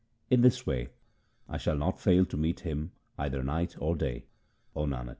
In this way I should not fail to meet Him either night or day, O Nanak.